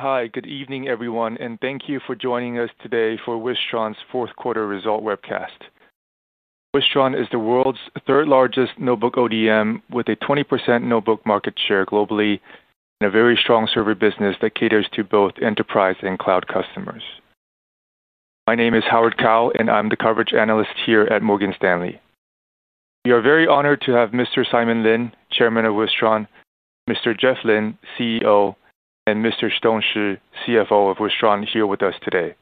Hi, good evening, everyone, and thank you for joining us today for Wistron's fourth quarter result webcast. Wistron is the world's third-largest notebook ODM with a 20% notebook market share globally, and a very strong server business that caters to both enterprise and cloud customers. My name is Howard Kao, and I'm the coverage Analyst here at Morgan Stanley. We are very honored to have Mr. Simon Lin, Chairman of Wistron, Mr. Jeff Lin, CEO, and Mr. Stone Shih, CFO of Wistron, here with us today.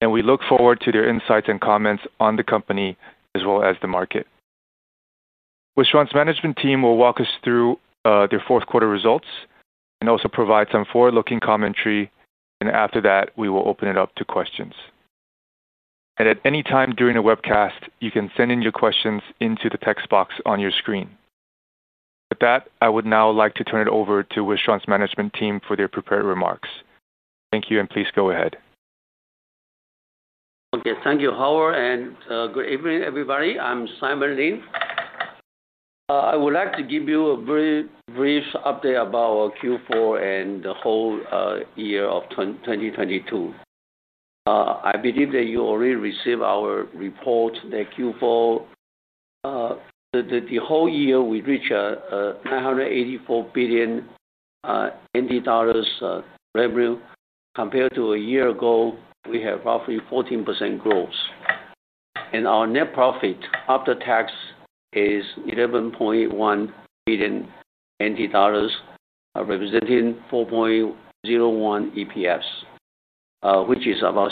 We look forward to their insights and comments on the company as well as the market. Wistron's management team will walk us through their fourth-quarter results and also provide some forward-looking commentary, after that, we will open it up to questions. At any time during the webcast, you can send in your questions into the text box on your screen. With that, I would now like to turn it over to Wistron's management team for their prepared remarks. Thank you, and please go ahead. Okay. Thank you, Howard, and good evening, everybody. I'm Simon Lin. I would like to give you a very brief update about our Q4 and the whole year of 2022. I believe that you already received our report that the whole year we reached 984 billion NT dollars revenue. Compared to a year ago, we have roughly 14% growth. Our net profit after tax is 11.1 billion NT dollars, representing 4.01 EPS, which is about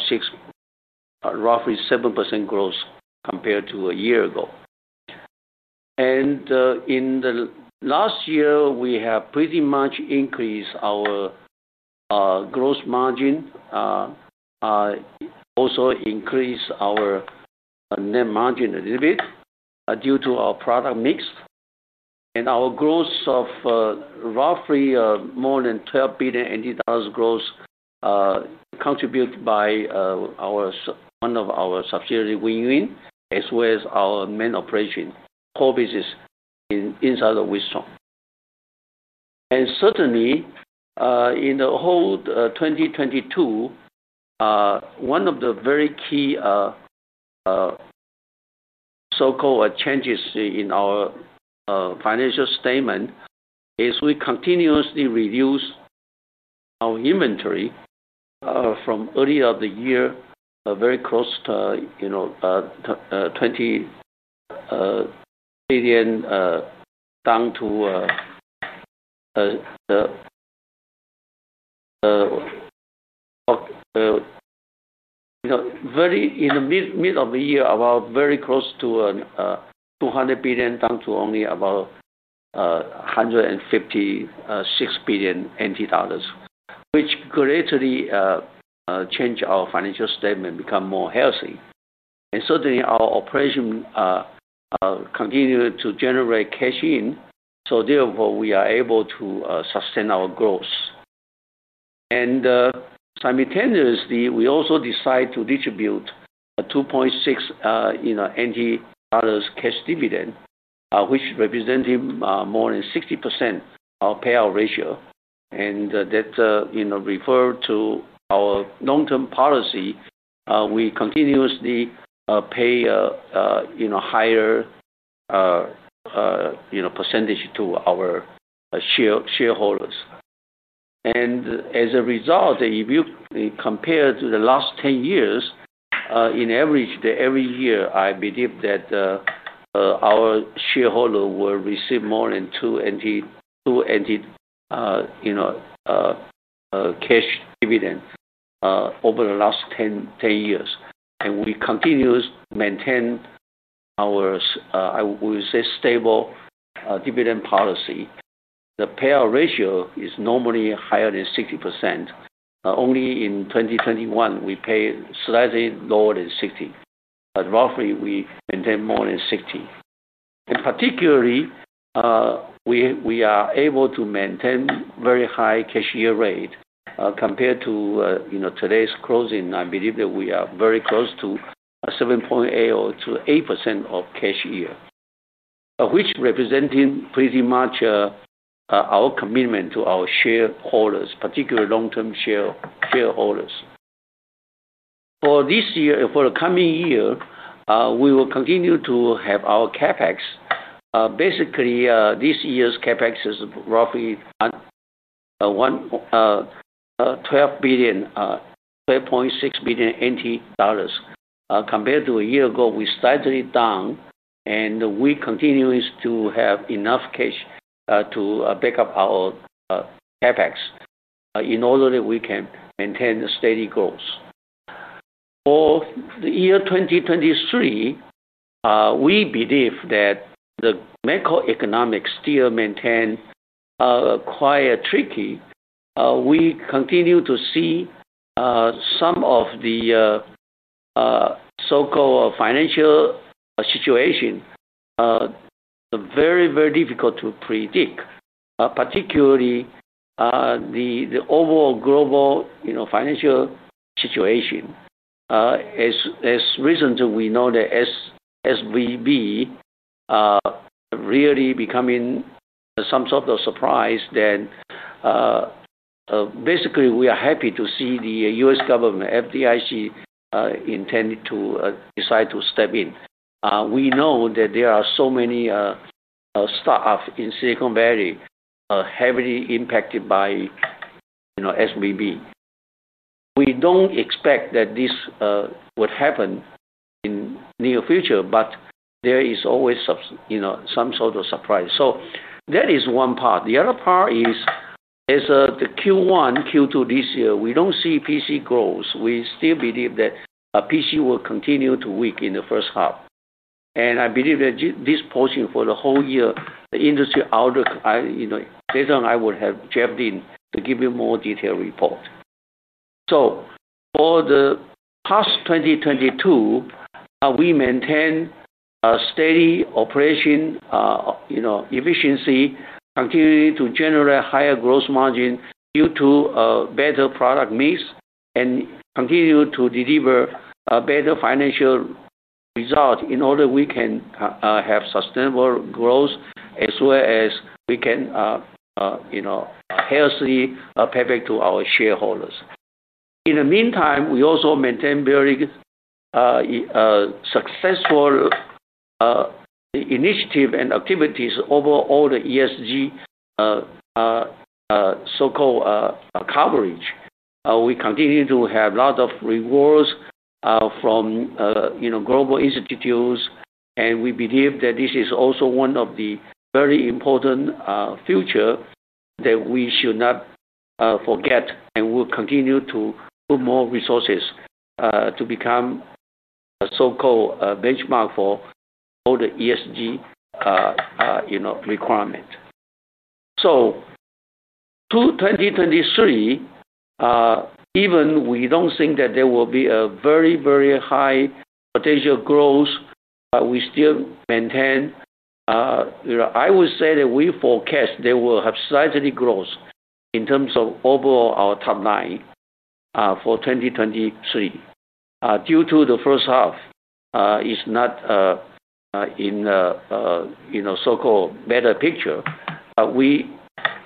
roughly 7% growth compared to a year ago. In the last year, we have pretty much increased our gross margin, also increased our net margin a little bit due to our product mix. Our growth of roughly more than 12 billion NT dollars growth contributed by one of our subsidiaries, Wiwynn, as well as our main operation, core business inside of Wistron. Certainly, in the whole 2022, one of the very key so-called changes in our financial statement is we continuously reduce our inventory from early of the year, very close to TWD 20 billion, down to In the mid of the year, very close to 200 billion, down to only about 156 billion NT dollars, which greatly change our financial statement, become more healthy. Certainly, our operation continued to generate cash in, so therefore, we are able to sustain our growth. Simultaneously, we also decide to distribute 2.6 NT dollars cash dividend, which represented more than 60% our payout ratio. That refer to our long-term policy. We continuously pay higher % to our shareholders. As a result, if you compare to the last 10 years, in average, every year, I believe that our shareholder will receive more than 2 cash dividend over the last 10 years. We continue to maintain our, I would say, stable dividend policy. The payout ratio is normally higher than 60%. Only in 2021, we paid slightly lower than 60%. Roughly, we maintain more than 60%. Particularly, we are able to maintain very high cash yield rate. Compared to today's closing, I believe that we are very close to 7.8% or to 8% of cash yield, which representing pretty much our commitment to our shareholders, particularly long-term shareholders. For the coming year, we will continue to have our CapEx. Basically, this year's CapEx is roughly 12.6 billion NT dollars. Compared to a year ago, we're slightly down, and we continue to have enough cash to back up our CapEx in order that we can maintain steady growth. For the year 2023, we believe that the macroeconomics still maintain quite tricky. We continue to see some of the so-called financial situation very difficult to predict. Particularly, the overall global financial situation. As recent, we know that SVB really becoming some sort of surprise that basically we are happy to see the U.S. government, FDIC, decide to step in. We know that there are so many staff in Silicon Valley heavily impacted by SVB. We don't expect that this would happen in near future, but there is always some sort of surprise. That is one part. The other part is, as the Q1, Q2 this year, we don't see PC growth. We still believe that PC will continue to weak in the first half. I believe that this portion for the whole year, the industry outlook, later on I will have Jeff Lin to give you more detailed report. For the past 2022, we maintain a steady operation efficiency, continuing to generate higher gross margin due to better product mix, and continue to deliver better financial results in order we can have sustainable growth as well as we can healthily pay back to our shareholders. In the meantime, we also maintain very successful initiative and activities over all the ESG so-called coverage. We continue to have a lot of rewards from global institutes, and we believe that this is also one of the very important future that we should not forget. We'll continue to put more resources to become a so-called benchmark for all the ESG requirement. To 2023, even we don't think that there will be a very high potential growth, but we still maintain. I would say that we forecast there will have slightly growth in terms of overall our top line for 2023. Due to the first half is not in a so-called better picture. We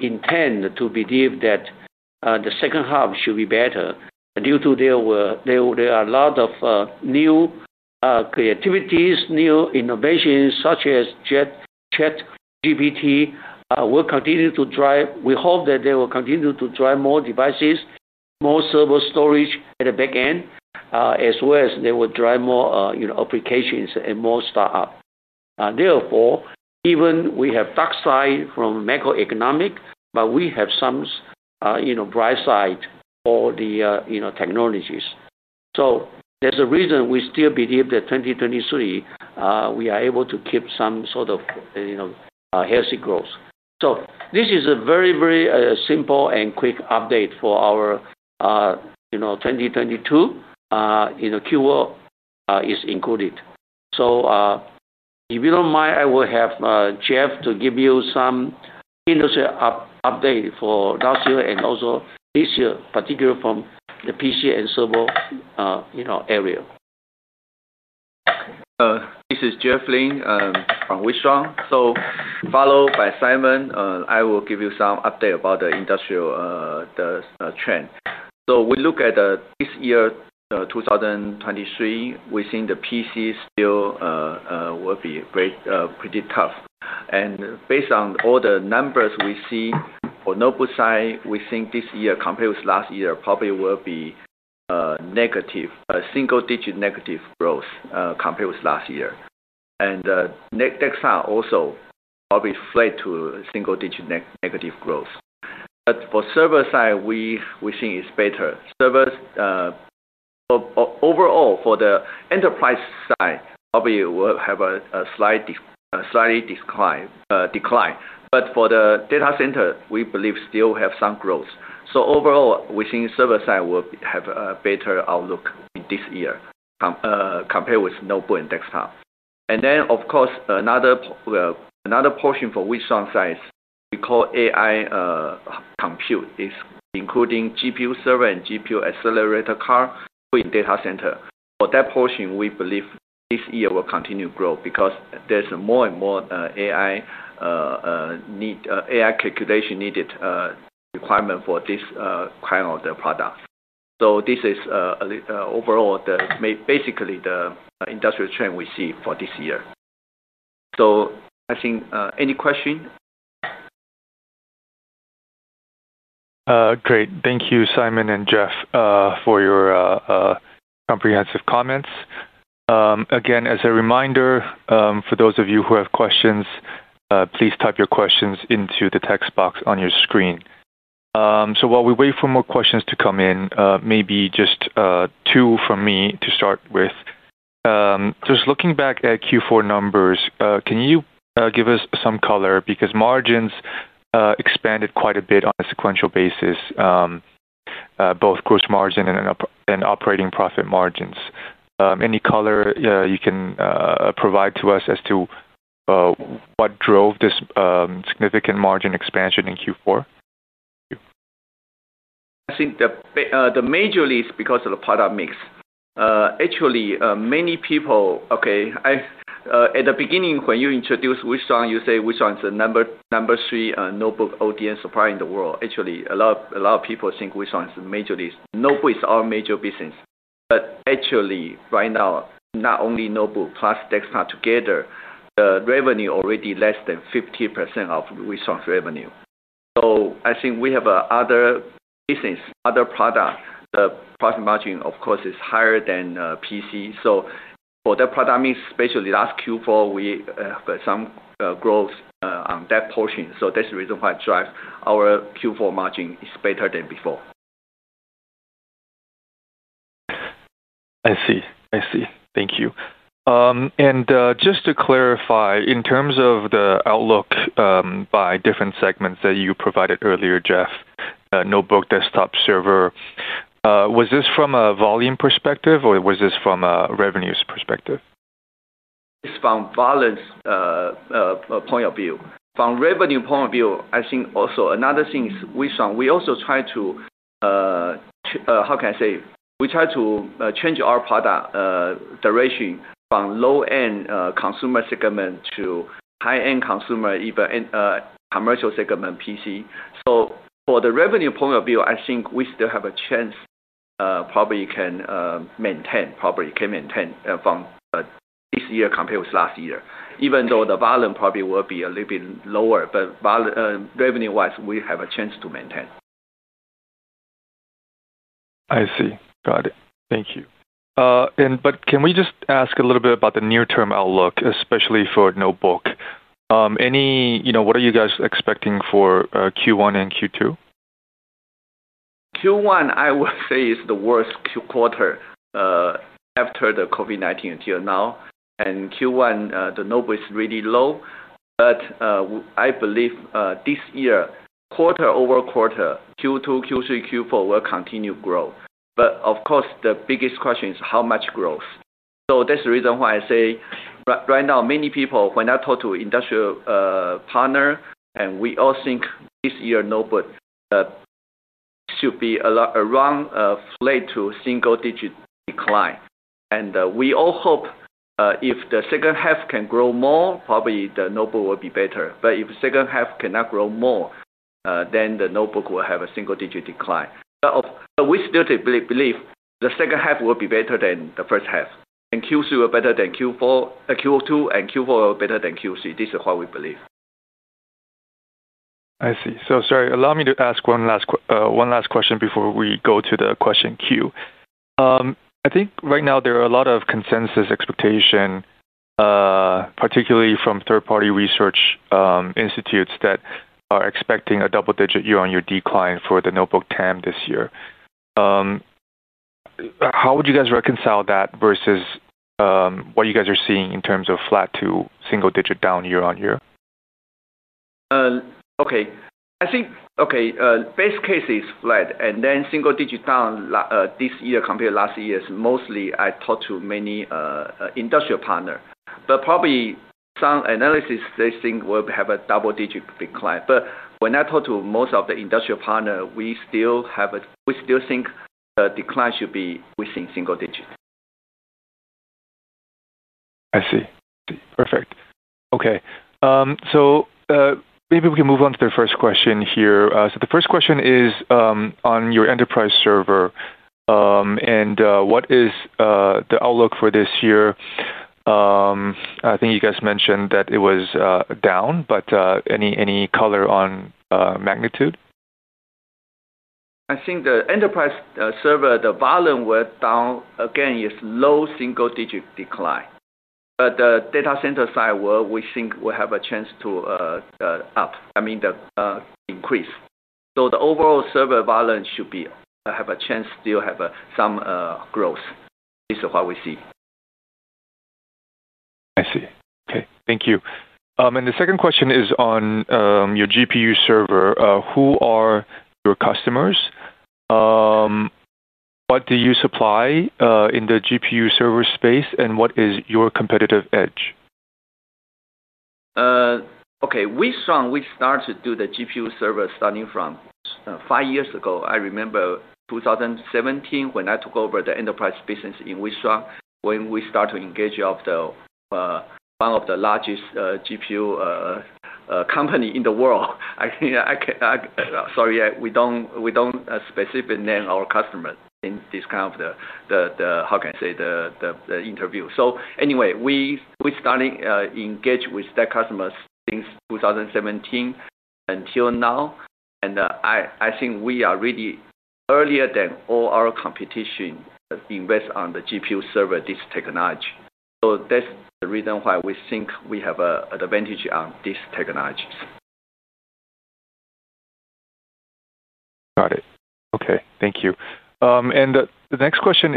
intend to believe that the second half should be better due to there are a lot of new creativities, new innovations such as ChatGPT, will continue to drive. We hope that they will continue to drive more devices, more server storage at the back end, as well as they will drive more applications and more startup. Even we have dark side from macroeconomic, we have some bright side for the technologies. There's a reason we still believe that 2023, we are able to keep some sort of healthy growth. This is a very simple and quick update for our 2022. Q1 is included. If you don't mind, I will have Jeff to give you some industry update for last year and also this year, particular from the PC and server area. This is Jeff Lin from Wistron. Follow by Simon, I will give you some update about the industrial trend. We look at this year, 2023, we think the PC still will be pretty tough. Based on all the numbers we see for notebook side, we think this year compared with last year, probably will be single-digit negative growth compared with last year. Next are also probably flat to single-digit negative growth. For server side, we think it's better. Overall for the enterprise side, probably will have a slight decline. For the data center, we believe still have some growth. Overall, we think server side will have a better outlook in this year compared with notebook and desktop. Of course, another portion for Wistron side is, we call AI compute. It is including GPU server and GPU accelerator card with data center. For that portion, we believe this year will continue to grow because there's more and more AI calculation needed requirement for this kind of the product. This is overall, basically the industrial trend we see for this year. I think, any question? Great. Thank you, Simon and Jeff, for your comprehensive comments. Again, as a reminder, for those of you who have questions, please type your questions into the text box on your screen. While we wait for more questions to come in, maybe just two from me to start with. Just looking back at Q4 numbers, can you give us some color? Margins expanded quite a bit on a sequential basis, both gross margin and operating profit margins. Any color you can provide to us as to what drove this significant margin expansion in Q4? I think the major reason is because of the product mix. Actually, many people At the beginning, when you introduced Wistron, you said Wistron is the number three notebook ODM supplier in the world. Actually, a lot of people think Wistron is the major of this. Notebook is our major business. Actually, right now, not only notebook, plus desktop together, the revenue already less than 50% of Wistron's revenue. I think we have other business, other product. The profit margin, of course, is higher than PC. For that product mix, especially last Q4, we have some growth on that portion. That's the reason why drive our Q4 margin is better than before. I see. Thank you. Just to clarify, in terms of the outlook by different segments that you provided earlier, Jeff, notebook, desktop server, was this from a volume perspective, or was this from a revenues perspective? It's from volume point of view. From revenue point of view, I think also another thing is Wistron, we also try to, how can I say? We try to change our product direction from low-end consumer segment to high-end consumer, even commercial segment PC. For the revenue point of view, I think we still have a chance, probably can maintain from this year compared to last year. Even though the volume probably will be a little bit lower, but revenue-wise, we have a chance to maintain. I see. Got it. Thank you. Can we just ask a little bit about the near-term outlook, especially for notebook? What are you guys expecting for Q1 and Q2? Q1, I would say, is the worst quarter after the COVID-19 until now. Q1, the notebook is really low. I believe this year, quarter-over-quarter, Q2, Q3, Q4 will continue growth. Of course, the biggest question is how much growth. That's the reason why I say right now, many people, when I talk to industrial partner, and we all think this year notebook should be around flat to a single-digit decline. We all hope if the second half can grow more, probably the notebook will be better. If second half cannot grow more, then the notebook will have a single-digit decline. We still believe the second half will be better than the first half, and Q2 and Q4 will be better than Q3. This is what we believe. I see. Sorry, allow me to ask one last question before we go to the question queue. I think right now there are a lot of consensus expectation, particularly from third-party research institutes that are expecting a double-digit year-on-year decline for the notebook TAM this year. How would you guys reconcile that versus what you guys are seeing in terms of flat to single digit down year-on-year? Okay. I think, base case is flat, single-digit down this year compared to last year is mostly I talked to many industrial partner. Probably some analysts think we'll have a double-digit decline. When I talk to most of the industrial partner, we still think the decline should be within single digits. I see. Perfect. Okay. Maybe we can move on to the first question here. The first question is on your enterprise server, and what is the outlook for this year? I think you guys mentioned that it was down, but any color on magnitude? I think the enterprise server, the volume went down. Again, it's low single-digit decline. The data center side, we think will have a chance to increase. The overall server volume should have a chance to have some growth. This is what we see. I see. Okay. Thank you. The second question is on your GPU server. Who are your customers? What do you supply in the GPU server space, and what is your competitive edge? Okay. Wistron, we started to do the GPU server starting from five years ago. I remember 2017, when I took over the enterprise business in Wistron, when we start to engage one of the largest GPU company in the world. Sorry, we don't specific name our customers in this kind of the, how can I say, the interview. Anyway, we started engage with that customer since 2017 until now, and I think we are really earlier than all our competition invest on the GPU server, this technology. That's the reason why we think we have an advantage on this technology. Got it. Okay. Thank you. The next question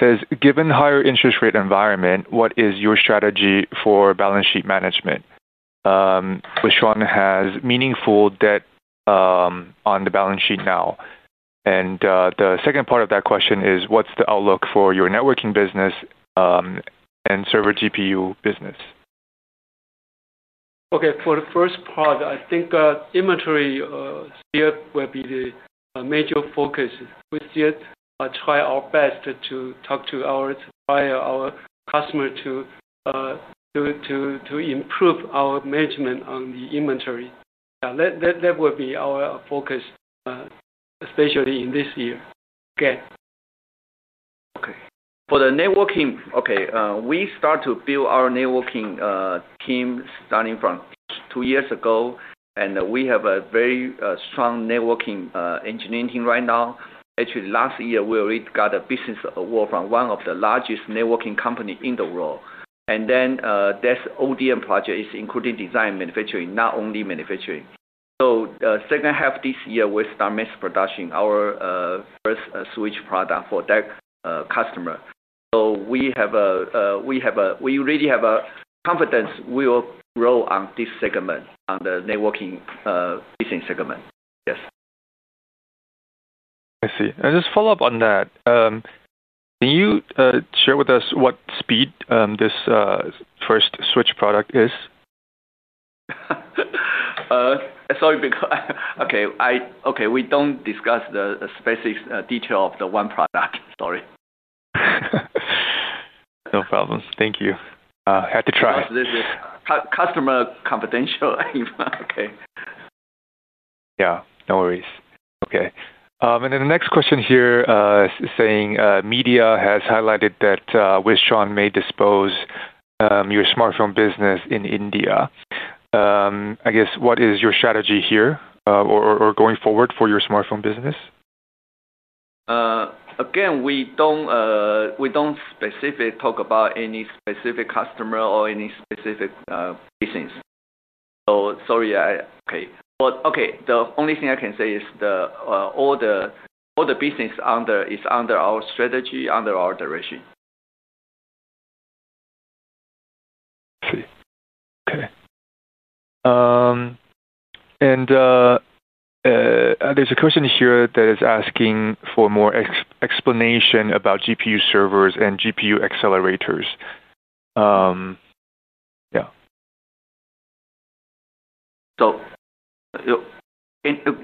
says, given higher interest rate environment, what is your strategy for balance sheet management? Wistron has meaningful debt on the balance sheet now. The second part of that question is: what's the outlook for your networking business and server GPU business? Okay, for the first part, I think inventory still will be the major focus. We still try our best to talk to our supplier, our customer, to improve our management on the inventory. That will be our focus, especially in this year. Okay. Okay. For the networking, okay, we start to build our networking team starting from two years ago, and we have a very strong networking engineering team right now. Actually, last year, we already got a business award from one of the largest networking company in the world. That ODM project is including design manufacturing, not only manufacturing. Second half this year, we'll start mass production, our first switch product for that customer. We really have confidence we will grow on this segment, on the networking business segment. Yes. I see. Just follow up on that. Can you share with us what speed this first switch product is? Sorry. Okay. We don't discuss the specific detail of the one product, sorry. No problems. Thank you. Had to try. This is customer confidential. Okay. Yeah, no worries. Okay. The next question here is saying, "Media has highlighted that Wistron may dispose your smartphone business in India." I guess, what is your strategy here or going forward for your smartphone business? Again, we don't specifically talk about any specific customer or any specific business, so sorry. Okay. The only thing I can say is all the business is under our strategy, under our direction. I see. Okay. There's a question here that is asking for more explanation about GPU servers and GPU accelerators.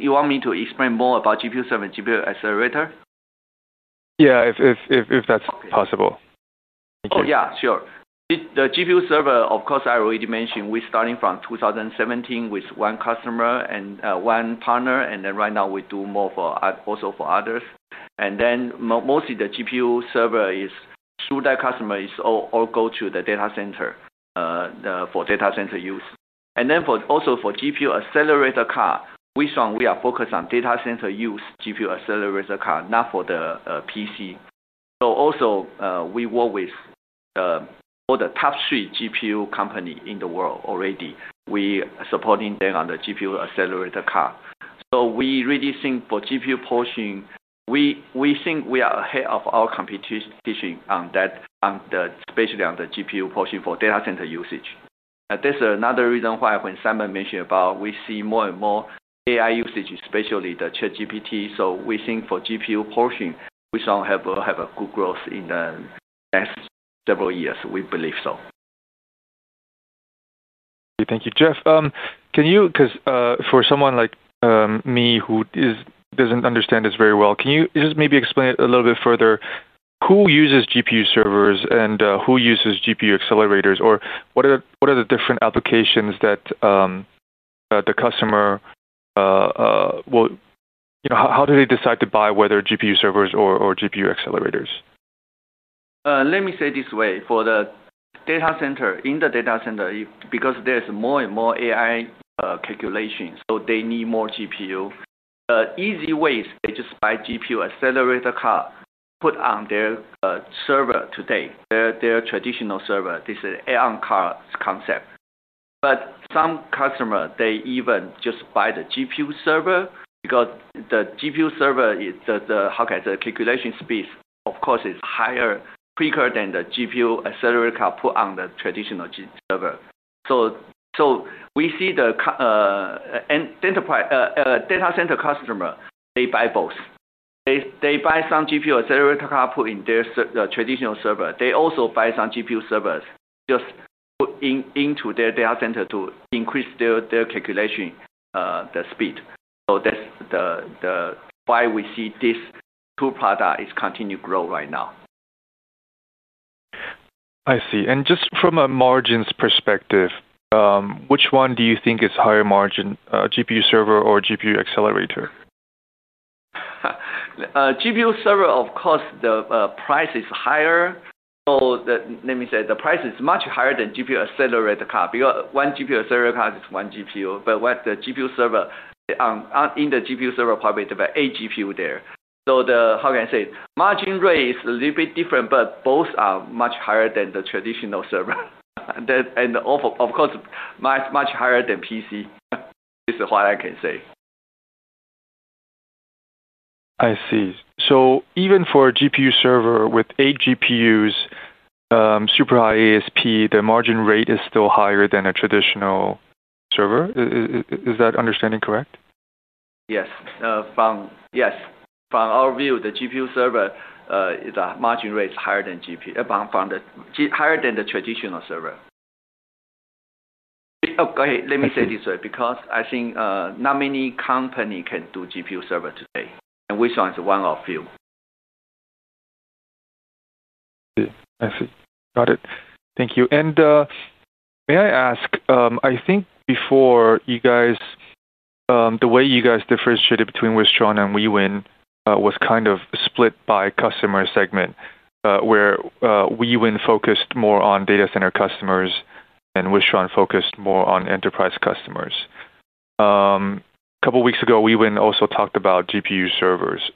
You want me to explain more about GPU server and GPU accelerator? Yeah. If that's possible. Thank you. Oh, yeah. Sure. The GPU server, of course, I already mentioned, we're starting from 2017 with one customer and one partner, and then right now we do more also for others. Mostly the GPU server is, through that customer, is all go to the data center for data center use. Also, we work with all the top three GPU company in the world already. We supporting them on the GPU accelerator card. We really think for GPU portion, we think we are ahead of our competition, especially on the GPU portion for data center usage. That's another reason why when Simon mentioned about we see more and more AI usage, especially the ChatGPT. We think for GPU portion, Wistron have a good growth in the next several years. We believe so. Thank you. Jeff, for someone like me who doesn't understand this very well, can you just maybe explain it a little bit further? Who uses GPU servers and who uses GPU accelerators? What are the different applications that the customer.. How do they decide to buy, whether GPU servers or GPU accelerators? Let me say this way. For the data center, in the data center, because there's more and more AI calculations, they need more GPU. Easy way is they just buy GPU accelerator card, put on their server today, their traditional server. This is an add-on card concept. Some customer, they even just buy the GPU server because the GPU server, the calculation speed, of course, is higher, quicker than the GPU accelerator card put on the traditional server. We see the data center customer, they buy both. They buy some GPU accelerator card put in their traditional server. They also buy some GPU servers just put into their data center to increase their calculation, the speed. That's why we see these two product is continue grow right now. I see. Just from a margins perspective, which one do you think is higher margin, GPU server or GPU accelerator? GPU server, of course, the price is higher. Let me say, the price is much higher than GPU accelerator card, because one GPU accelerator card is one GPU. In the GPU server, probably there are eight GPU there. How can I say? Margin rate is a little bit different, but both are much higher than the traditional server. Of course, much higher than PC. This is what I can say. I see. Even for a GPU server with eight GPUs, super high ASP, the margin rate is still higher than a traditional server. Is that understanding correct? Yes. From our view, the GPU server margin rate is higher than the traditional server. Okay, let me say this way, because I think not many company can do GPU server today, and Wistron is one of few. Good. I see. Got it. Thank you. May I ask, I think before, the way you guys differentiated between Wistron and Wiwynn was split by customer segment, where Wiwynn focused more on data center customers and Wistron focused more on enterprise customers. A couple weeks ago, Wiwynn also talked about GPU servers.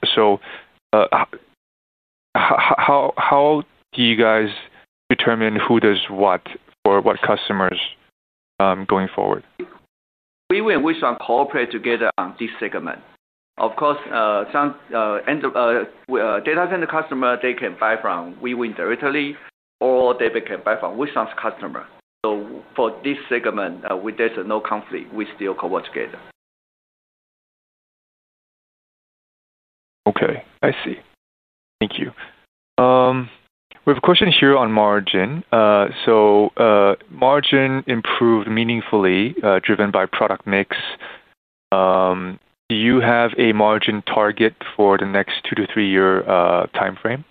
How do you guys determine who does what for what customers going forward? Wiwynn, Wistron cooperate together on this segment. Of course, data center customer, they can buy from Wiwynn directly, or they can buy from Wistron's customer. For this segment, there's no conflict. We still cooperate together. Okay, I see. Thank you. We have a question here on margin. Margin improved meaningfully, driven by product mix. Do you have a margin target for the next two to three-year timeframe?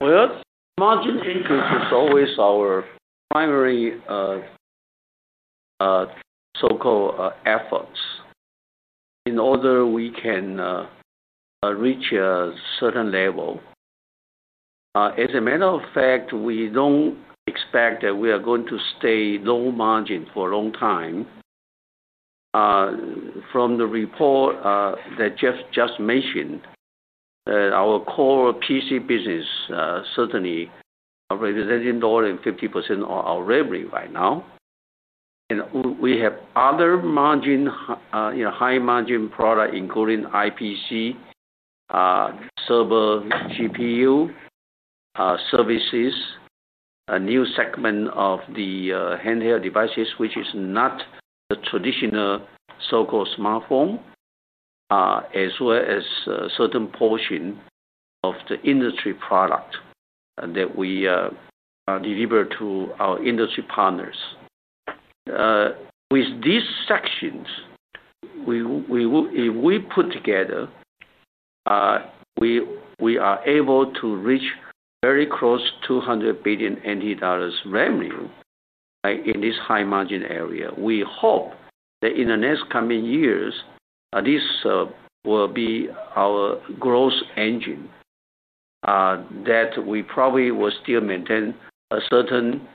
Well, margin increase is always our primary so-called efforts in order we can reach a certain level. As a matter of fact, we don't expect that we are going to stay low margin for a long time. From the report that Jeff Lin just mentioned, our core PC business certainly representing more than 50% of our revenue right now. We have other high margin product, including IPC, server GPU, services, a new segment of the handheld devices, which is not the traditional so-called smartphone, as well as a certain portion of the industry product that we deliver to our industry partners. With these sections, if we put together, we are able to reach very close to 200 billion NT dollars revenue in this high margin area. We hope that in the next coming years, this will be our growth engine, that we probably will still maintain a certain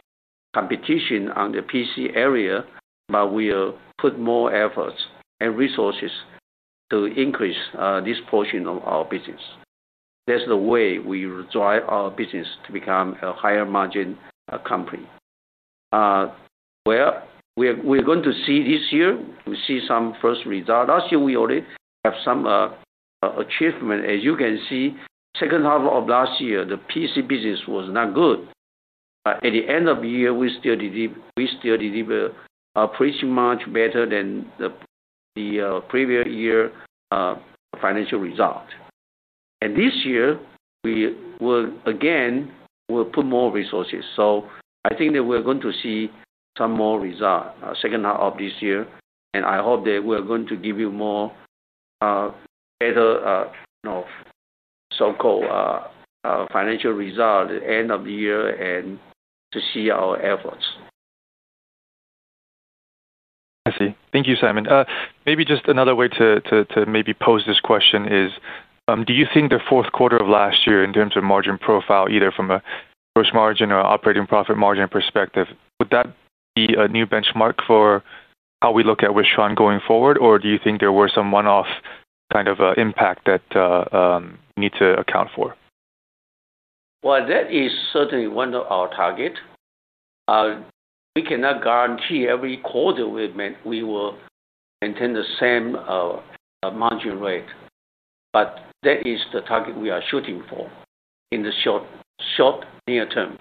competition on the PC area, but we'll put more efforts and resources to increase this portion of our business. That's the way we drive our business to become a higher margin company. Well, we're going to see this year, we see some first result. Last year, we already have some achievement. As you can see, second half of last year, the PC business was not good. At the end of the year, we still deliver pretty much better than the previous year financial result. This year, we will again, we'll put more resources. I think that we're going to see some more result second half of this year, and I hope that we're going to give you more better so-called financial result at the end of the year and to see our efforts. I see. Thank you, Simon. Maybe just another way to maybe pose this question is, do you think the fourth quarter of last year in terms of margin profile, either from a gross margin or operating profit margin perspective, would that be a new benchmark for how we look at Wistron going forward? Or do you think there was some one-off impact that need to account for? Well, that is certainly one of our target. We cannot guarantee every quarter we will maintain the same margin rate. That is the target we are shooting for in the short near term.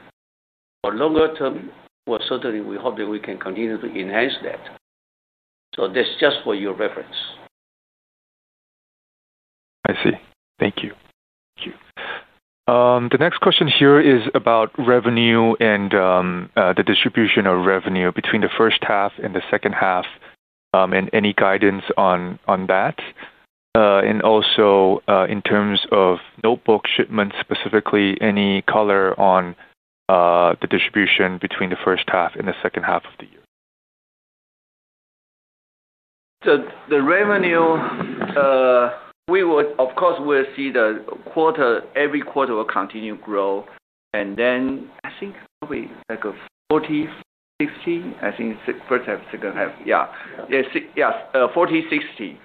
For longer term, well, certainly we hope that we can continue to enhance that. That's just for your reference. I see. Thank you. The next question here is about revenue and the distribution of revenue between the first half and the second half, and any guidance on that. Also, in terms of notebook shipments specifically, any color on the distribution between the first half and the second half of the year. The revenue, of course, we'll see every quarter will continue growth. I think probably like a 40%-60%, I think first half, second half. Yeah, 40%-60%, the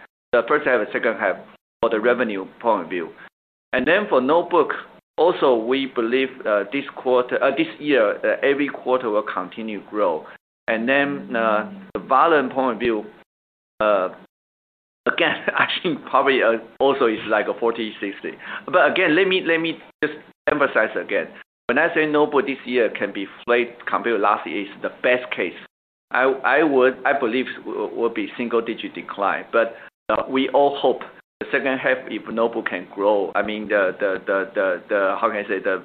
first half and second half for the revenue point of view. For notebook, also we believe this year, every quarter will continue growth. The volume point of view. Again, I think probably also it's like a 40%-60%. Again, let me just emphasize again. When I say notebook this year can be flat compared to last year, it's the best case. I believe it will be single digit decline, but we all hope the second half, if notebook can grow, how can I say this?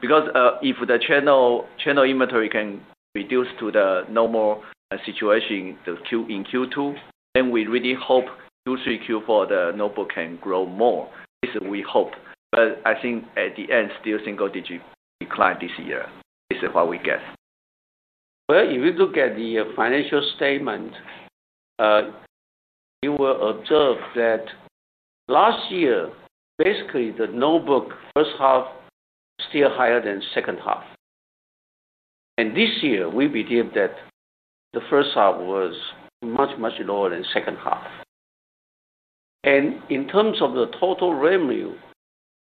Because if the channel inventory can reduce to the normal situation in Q2, then we really hope Q3 and Q4 the notebook can grow more. This is we hope, but I think at the end, still single-digit decline this year. This is what we get. If you look at the financial statement, you will observe that last year, basically the notebook first half still higher than second half. This year, we believe that the first half was much, much lower than second half. In terms of the total revenue,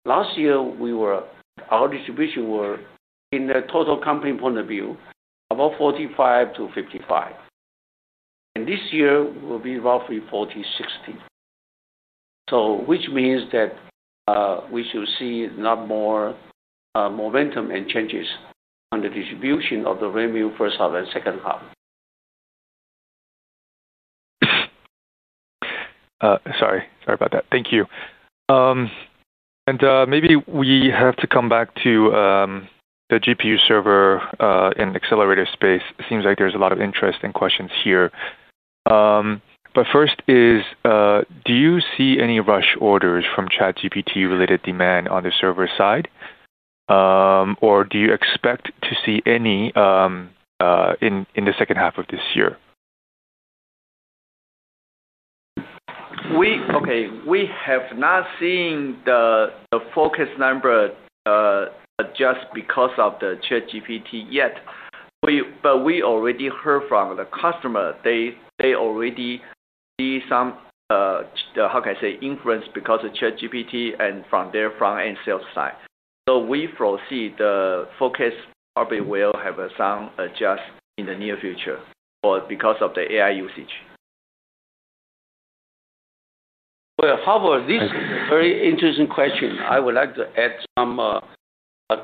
last year, our distribution were, in the total company point of view, about 45%-55%. This year will be roughly 40%-60%. Which means that we should see a lot more momentum and changes on the distribution of the revenue first half and second half. Sorry about that. Thank you. Maybe we have to come back to the GPU server and accelerator space. It seems like there's a lot of interesting questions here. First is, do you see any rush orders from ChatGPT related demand on the server side? Do you expect to see any in the second half of this year? Okay. We have not seen the focus number adjust because of ChatGPT yet, but we already heard from the customer, they already see some, how can I say, influence because of ChatGPT and from their front-end sales side. We foresee the focus probably will have some adjust in the near future because of the AI usage. Well, how about this very interesting question. I would like to add some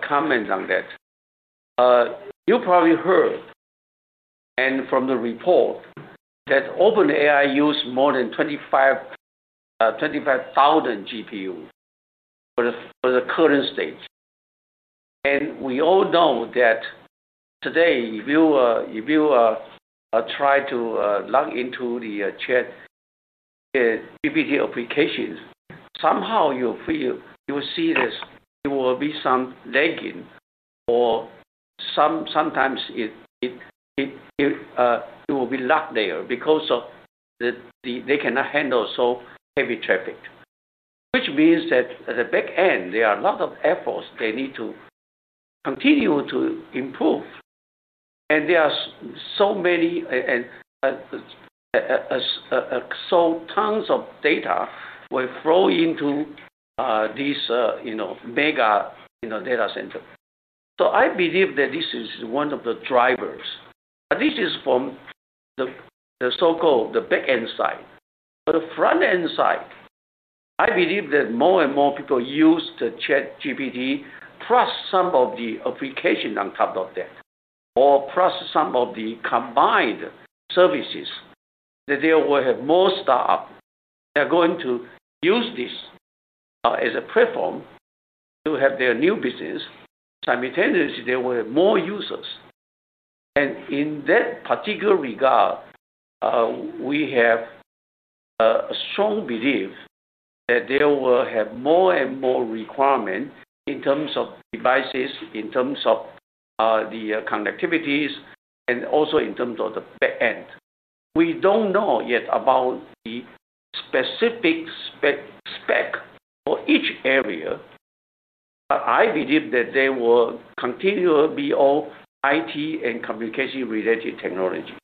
comment on that. You probably heard, from the report, that OpenAI use more than 25,000 GPU for the current stage. We all know that today, if you try to log into the ChatGPT application, somehow you'll see that there will be some lagging or sometimes it will be not there because they cannot handle so heavy traffic, which means that at the back end, there are a lot of efforts they need to continue to improve. There are so tons of data will flow into this mega data center. I believe that this is one of the drivers, but this is from the so-called the back-end side. The front-end side, I believe that more and more people use the ChatGPT plus some of the application on top of that, or plus some of the combined services, that they will have more startup. They are going to use this as a platform to have their new business. Simultaneously, they will have more users. In that particular regard, we have a strong belief that they will have more and more requirement in terms of devices, in terms of the connectivities, and also in terms of the back end. We don't know yet about the specific spec for each area. I believe that they will continue to be all IT and communication related technologies.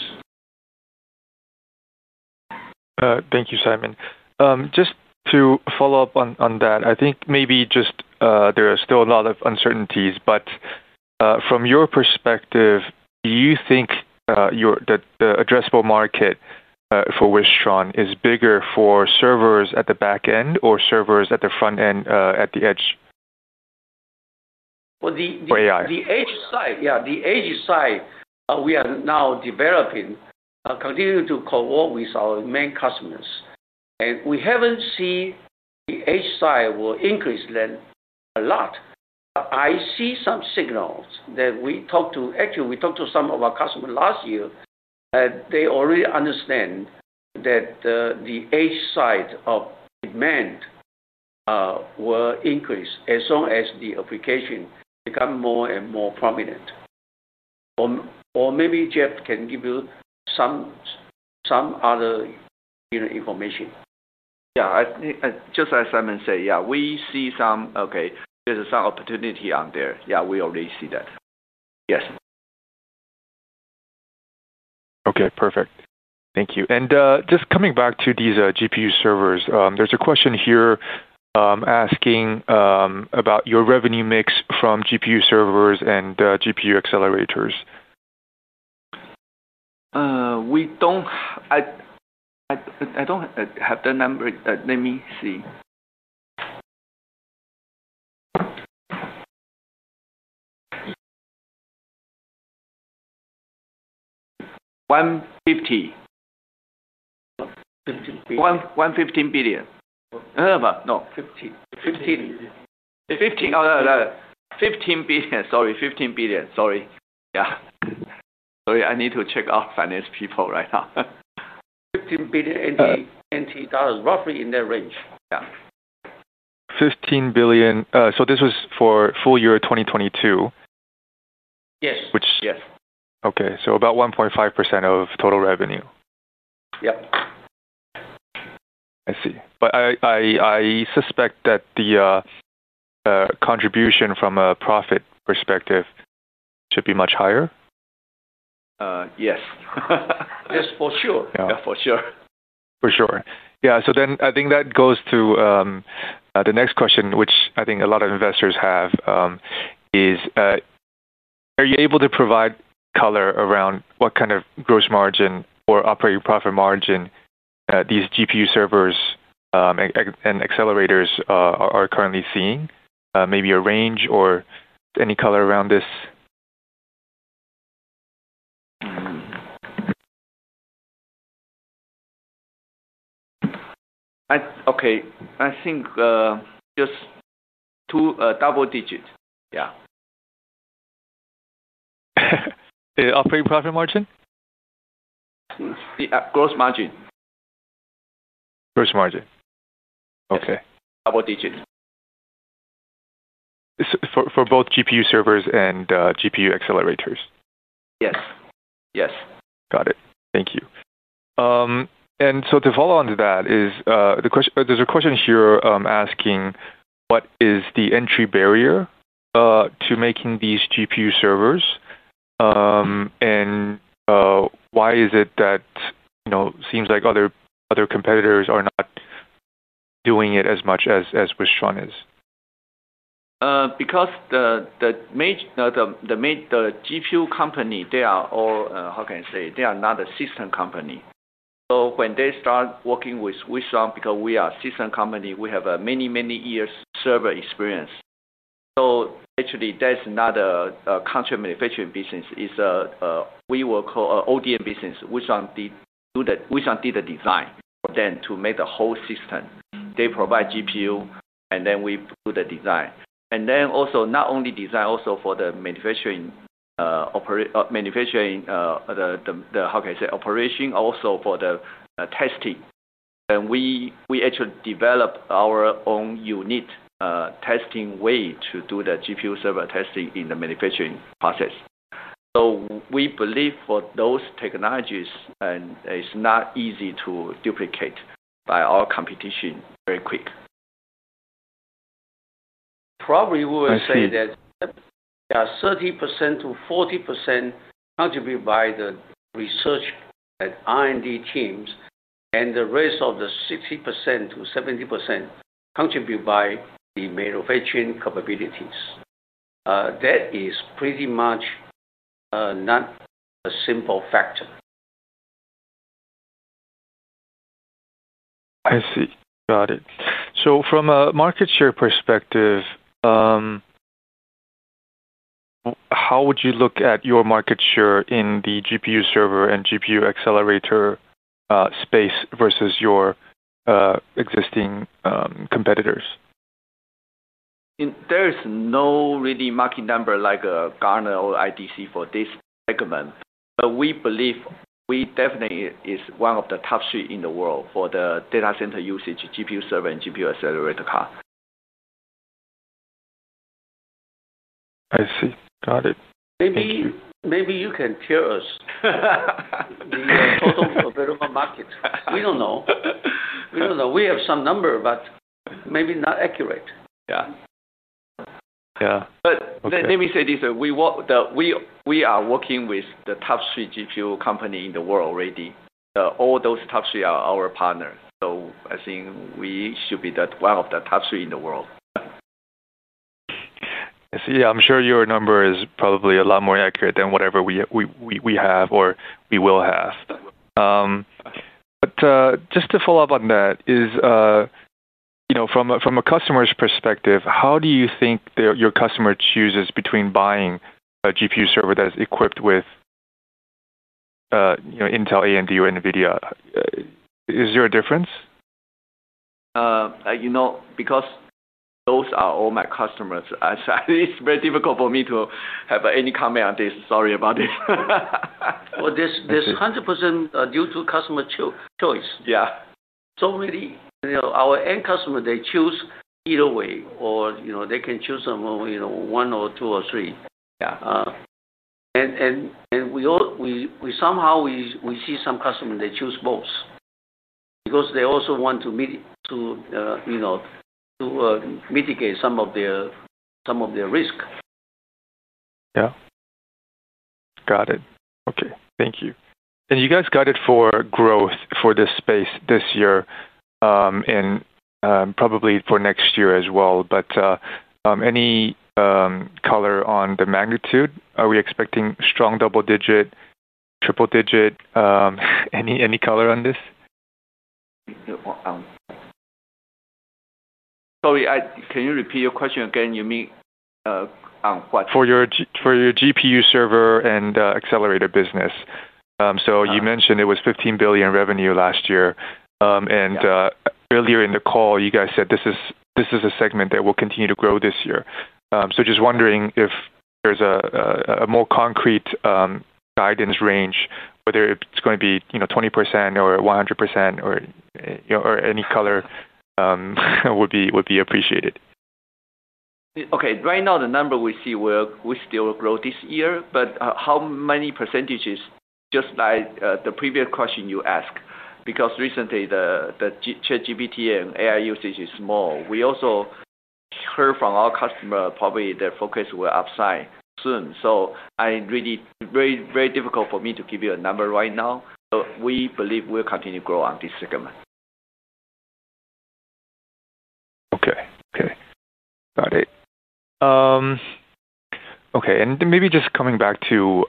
Thank you, Simon. Just to follow up on that, I think maybe just there are still a lot of uncertainties, but from your perspective, do you think the addressable market for Wistron is bigger for servers at the back end or servers at the front end, at the edge, where you are? The edge side we are now developing, continuing to co-work with our main customers. We haven't seen the edge side will increase a lot. I see some signals that actually, we talked to some of our customers last year, and they already understand that the edge side of demand will increase as soon as the application become more and more prominent. Maybe Jeff can give you some other information. Just as Simon said, yeah, we see some, okay, there's some opportunity on there. We already see that. Yes. Okay, perfect. Thank you. Just coming back to these GPU servers, there's a question here. I'm asking about your revenue mix from GPU servers and GPU accelerators. I don't have the number. Let me see. 150 billion. 15 billion. 115 billion. No. 15 billion. Oh, yeah. 15 billion. Sorry, 15 billion. Sorry. Yeah. Sorry, I need to check our finance people right now. 15 billion NT dollars, roughly in that range. Yeah. 15 billion. This was for full year 2022? Yes. Okay. About 1.5% of total revenue. Yep. I see. I suspect that the contribution from a profit perspective should be much higher. Yes. Yes, for sure. For sure. For sure. Yeah. I think that goes to the next question, which I think a lot of investors have, is are you able to provide color around what kind of gross margin or operating profit margin these GPU servers, and accelerators are currently seeing? Maybe a range or any color around this. Okay. I think just two double digits. Yeah. The operating profit margin? The gross margin. Gross margin. Okay. Double digits. For both GPU servers and GPU accelerators? Yes. Got it. Thank you. To follow on to that, there's a question here, asking what is the entry barrier to making these GPU servers, and why is it that seems like other competitors are not doing it as much as Wistron is? The GPU company, they are all, how can I say, they are not a system company. When they start working with Wistron, because we are a system company, we have many, many years server experience. Actually that's not a contract manufacturing business. We will call ODM business. Wistron did the design for them to make the whole system. They provide GPU, and then we do the design. Also not only design also for the manufacturing, how can I say, operation also for the testing. We actually develop our own unique testing way to do the GPU server testing in the manufacturing process. We believe for those technologies, and it's not easy to duplicate by our competition very quick. Probably we will say that there are 30%-40% contributed by the research and R&D teams, and the rest of the 60%-70% contributed by the manufacturing capabilities. That is pretty much not a simple factor. I see. Got it. From a market share perspective, how would you look at your market share in the GPU server and GPU accelerator space versus your existing competitors? There is no really market number like a Gartner or IDC for this segment, but we believe we definitely is one of the top three in the world for the data center usage, GPU server, and GPU accelerator card. I see. Got it. Thank you. Maybe you can tell us. The Total Addressable Market. We don't know. We have some number, but maybe not accurate. Yeah. Yeah. Okay. Let me say this, we are working with the top three GPU company in the world already. All those top three are our partners. I think we should be one of the top three in the world. I see. I'm sure your number is probably a lot more accurate than whatever we have or we will have. Just to follow up on that is, from a customer's perspective, how do you think your customer chooses between buying a GPU server that is equipped with Intel, AMD or NVIDIA? Is there a difference? Because those are all my customers, actually it's very difficult for me to have any comment on this. Sorry about it. Well, this 100% due to customer choice. Yeah. Really our end customer, they choose either way or they can choose one or two or three. Yeah. Somehow we see some customer, they choose both because they also want to mitigate some of their risk. Yeah. Got it. Okay. Thank you. You guys guided for growth for this space this year, and probably for next year as well. But any color on the magnitude? Are we expecting strong double-digit, triple-digit? Any color on this? Sorry, can you repeat your question again? You mean what? For your GPU server and accelerator business. You mentioned it was 15 billion revenue last year. Earlier in the call, you guys said this is a segment that will continue to grow this year. Just wondering if there's a more concrete guidance range, whether it's going to be 20% or 100% or any color would be appreciated. Okay. Right now the number we see will still grow this year, but how many %s? Just like the previous question you asked, because recently the ChatGPT and AI usage is more. We also heard from our customer probably their focus will upside soon. Very difficult for me to give you a number right now. We believe we'll continue to grow on this segment. Okay. Got it. Maybe just coming back to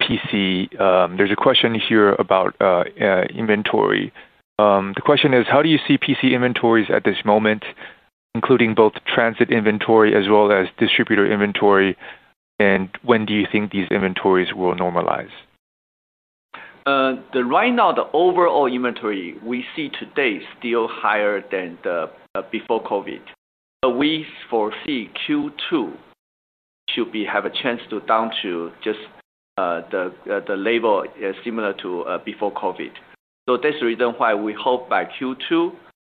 PC. There's a question here about inventory. The question is, how do you see PC inventories at this moment, including both transit inventory as well as distributor inventory, and when do you think these inventories will normalize? Right now, the overall inventory we see today is still higher than before COVID. We foresee Q2 should have a chance to down to just the level similar to before COVID. That's the reason why we hope by Q2,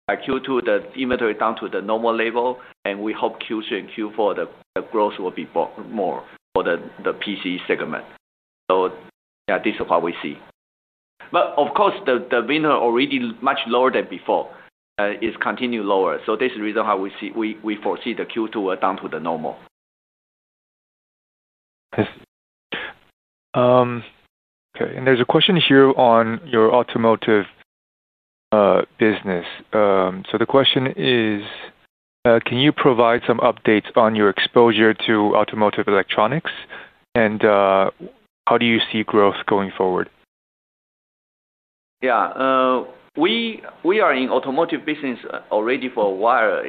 the inventory down to the normal level, and we hope Q3 and Q4, the growth will be more for the PC segment. This is what we see. Of course, the window originally much lower than before. It's continued lower. This is the reason why we foresee the Q2 will down to the normal. Okay. There's a question here on your automotive business. The question is, can you provide some updates on your exposure to automotive electronics? How do you see growth going forward? Yeah. We are in automotive business already for a while.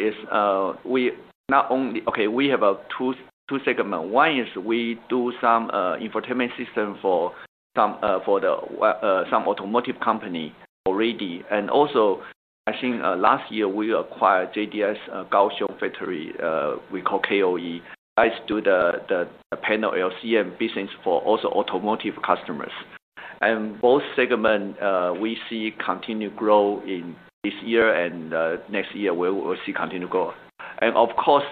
We have two segments. One is we do some infotainment system for some automotive company already. Also, I think last year we acquired Kaohsiung Opto-Electronics Inc., we call KOE. Guys do the panel LCM business for also automotive customers. Both segments, we see continued growth in this year and next year, we will see continued growth. Of course,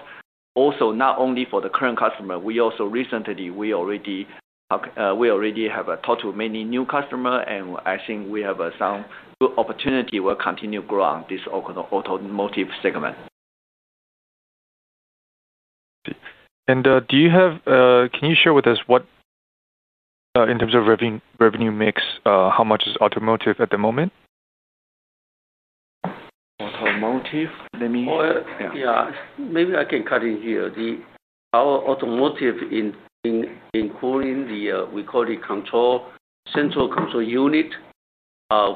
also not only for the current customer, we also recently have talked to many new customer, and I think we have some good opportunity will continue to grow on this Automotive segment. Can you share with us what, in terms of revenue mix, how much is automotive at the moment? Automotive. Let me. Yeah. Maybe I can cut in here. Our automotive, including the, we call it central control unit,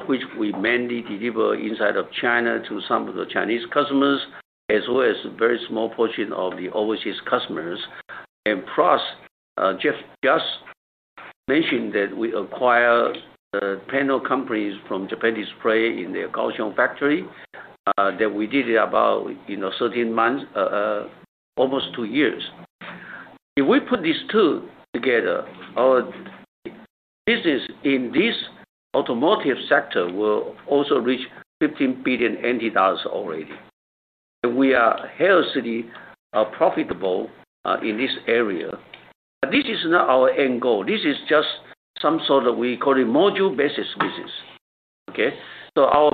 which we mainly deliver inside of China to some of the Chinese customers, as well as a very small portion of the overseas customers. Plus, just mentioned that we acquired panel companies from Japan Display Inc. in their Kaohsiung factory, that we did it about 13 months, almost two years. If we put these two together, our business in this automotive sector will also reach 15 billion NT dollars already. We are healthily profitable in this area. This is not our end goal. This is just some sort of, we call it module business. Okay. Our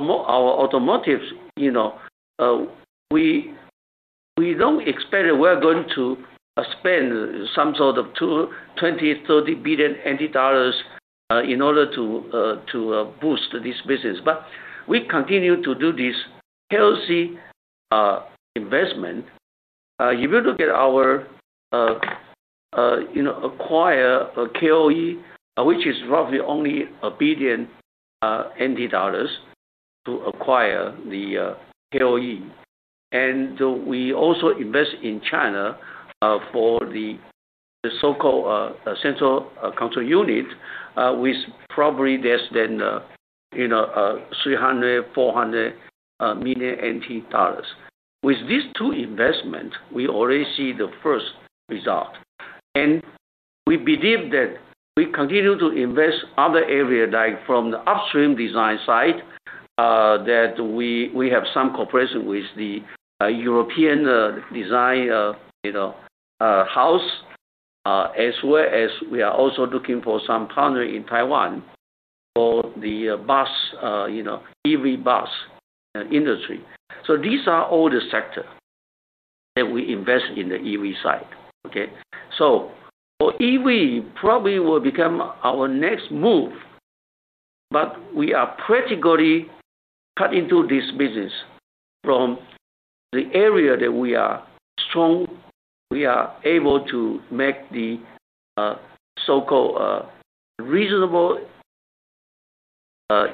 automotives, we don't expect we're going to spend some sort of 20 billion, 30 billion in order to boost this business. We continue to do this healthy investment. If you look at our acquire KOE, which is roughly only 1 billion NT dollars to acquire the KOE. We also invest in China for the so-called central control unit with probably less than 300 million-400 million NT dollars. With these two investments, we already see the first result. We believe that we continue to invest other area, like from the upstream design side, that we have some cooperation with the European design house, as well as we are also looking for some partner in Taiwan for the EV bus industry. These are all the sector that we invest in the EV side. For EV, probably will become our next move, but we are practically cut into this business from the area that we are strong. We are able to make the so-called reasonable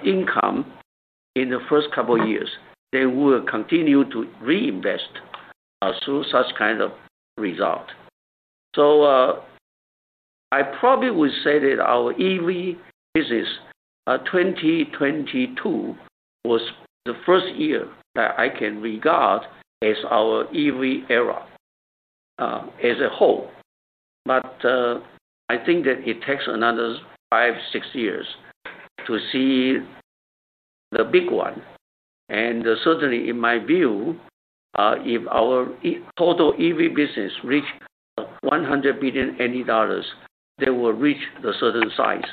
income in the first couple years. We will continue to reinvest through such kind of result. I probably would say that our EV business, 2022 was the first year that I can regard as our EV era as a whole. I think that it takes another five, six years to see the big one. Certainly in my view, if our total EV business reach 100 billion dollars, they will reach the certain size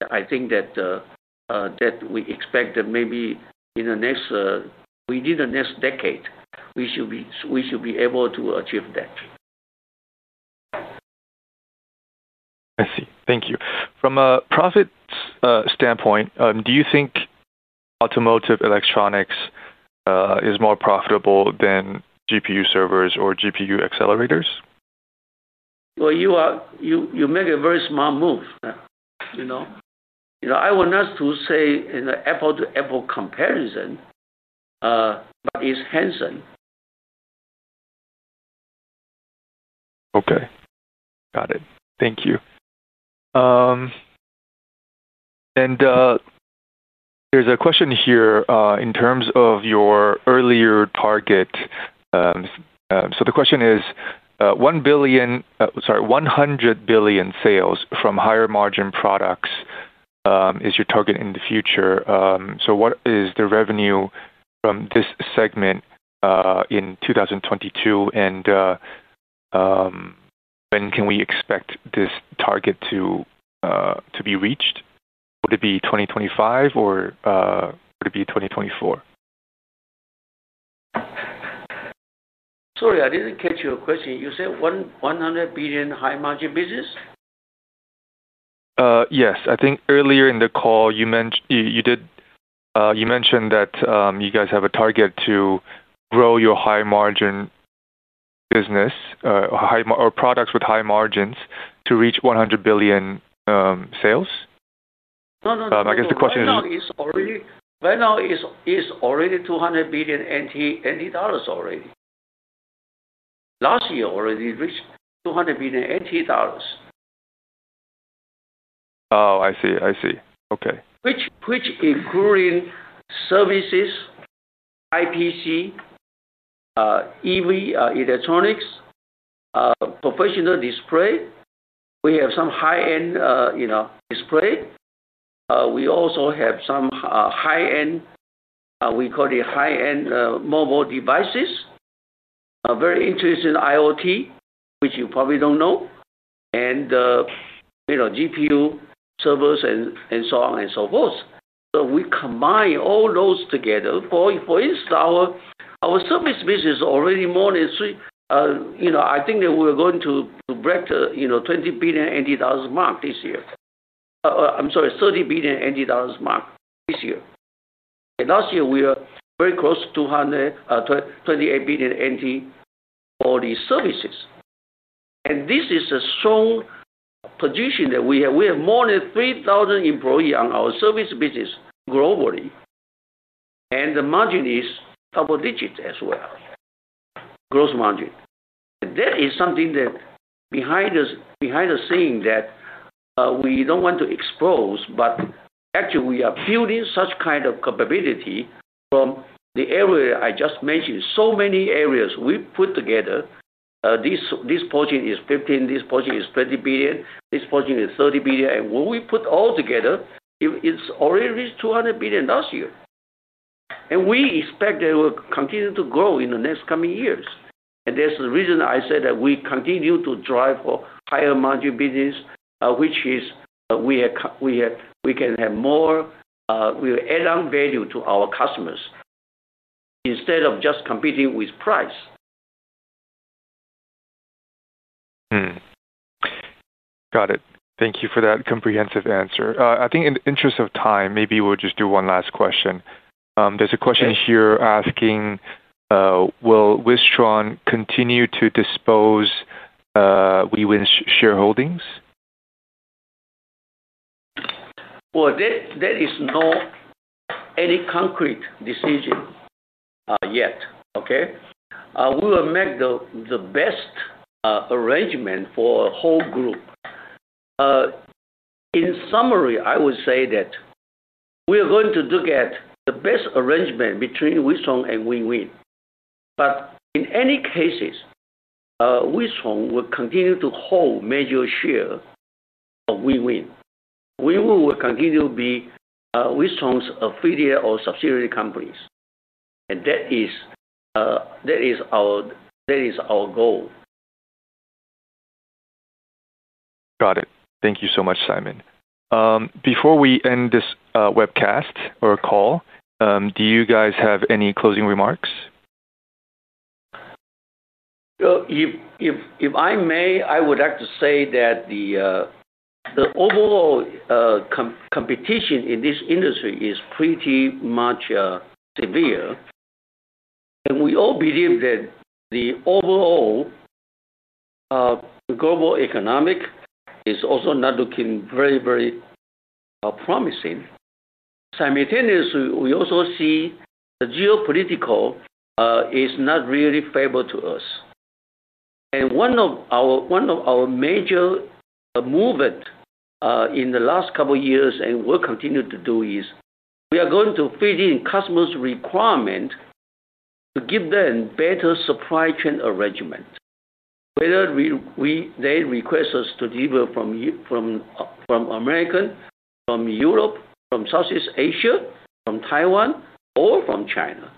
that I think that we expect that maybe within the next decade, we should be able to achieve that. I see. Thank you. From a profits standpoint, do you think automotive electronics is more profitable than GPU servers or GPU accelerators? Well, you make a very smart move. I want not to say in the apple-to-apple comparison, but it's enhancing. Okay. Got it. Thank you. There's a question here, in terms of your earlier target. The question is, 100 billion sales from higher margin products is your target in the future. What is the revenue from this segment, in 2022? When can we expect this target to be reached? Would it be 2025 or would it be 2024? Sorry, I didn't catch your question. You said 100 billion high margin business? Yes. I think earlier in the call you mentioned that you guys have a target to grow your high margin business, or products with high margins to reach 100 billion, sales. No, no. I guess the question is. Right now it's already 200 billion NT dollars already. Last year already reached 200 billion NT dollars. Oh, I see. Okay. Which including services, IPC, EV, electronics, professional display. We have some high-end display. We also have some, we call it high-end mobile devices. Very interested in IoT, which you probably don't know, and GPU servers and so on and so forth. We combine all those together. For instance, our service business already more than three I think that we're going to break the TWD 30 billion mark this year. Last year we are very close to 238 billion NT for these services. This is a strong position that we have. We have more than 3,000 employee on our service business globally, and the margin is double-digit as well, gross margin. That is something that behind the scene that we don't want to expose, but actually we are building such kind of capability from the area I just mentioned. Many areas we put together, this project is 15 billion, this project is 20 billion, this project is 30 billion, when we put all together, it already reached 200 billion last year. We expect that it will continue to grow in the next coming years. That's the reason I said that we continue to drive for higher margin business, which is we can have more, we will add on value to our customers instead of just competing with price. Got it. Thank you for that comprehensive answer. I think in the interest of time, maybe we'll just do one last question. There's a question here asking, will Wistron continue to dispose Wiwynn shareholdings? There is no any concrete decision yet, okay. We will make the best arrangement for whole group. In summary, I would say that we are going to look at the best arrangement between Wistron and Wiwynn. In any cases, Wistron will continue to hold major share of Wiwynn. Wiwynn will continue to be Wistron's affiliate or subsidiary companies. That is our goal. Thank you so much, Simon. Before we end this webcast or call, do you guys have any closing remarks? If I may, I would like to say that the overall competition in this industry is pretty much severe. We all believe that the overall global economy is also not looking very promising. Simultaneously, we also see the geopolitics is not really favorable to us. One of our major movements in the last couple years and we'll continue to do is, we are going to fit in customers' requirements to give them better supply chain arrangement. Whether they request us to deliver from America, from Europe, from Southeast Asia, from Taiwan, or from China.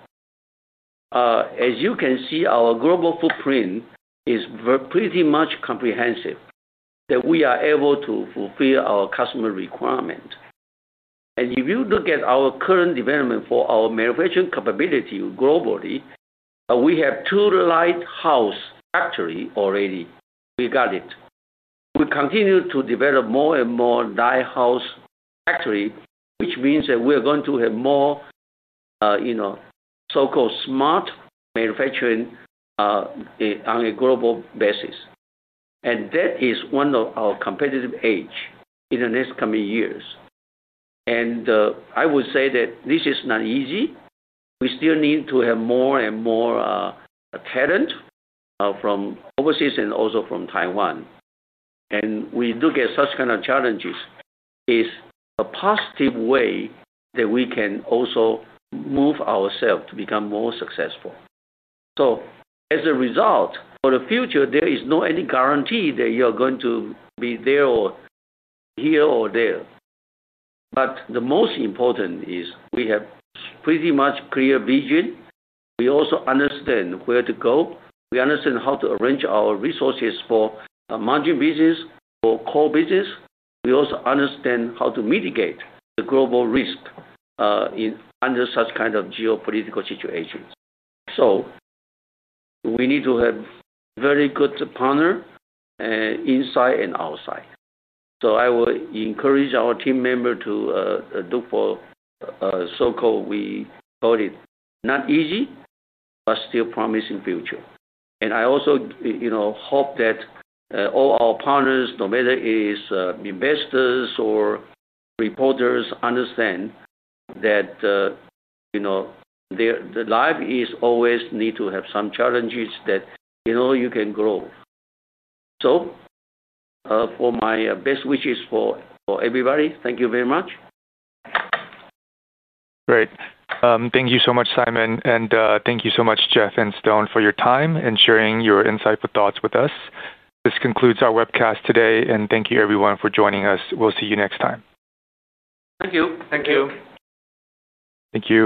As you can see, our global footprint is pretty much comprehensive, that we are able to fulfill our customer requirements. If you look at our current development for our manufacturing capability globally, we have two Lighthouse Factory already. We got it. We continue to develop more and more Lighthouse Factory, which means that we are going to have more so-called smart manufacturing on a global basis. That is one of our competitive edge in the next coming years. I would say that this is not easy. We still need to have more and more talent from overseas and also from Taiwan. We look at such kind of challenges is a positive way that we can also move ourself to become more successful. As a result, for the future, there is no any guarantee that you're going to be here or there. The most important is we have pretty much clear vision. We also understand where to go. We understand how to arrange our resources for margin business, for core business. We also understand how to mitigate the global risk under such kind of geopolitical situations. We need to have very good partner inside and outside. I would encourage our team member to look for so-called, we call it, not easy, but still promising future. I also hope that all our partners, no matter is investors or reporters, understand that the life is always need to have some challenges that you can grow. For my best wishes for everybody, thank you very much. Great. Thank you so much, Simon. Thank you so much, Jeff and Stone, for your time and sharing your insightful thoughts with us. This concludes our webcast today, and thank you everyone for joining us. We'll see you next time. Thank you. Thank you. Thank you.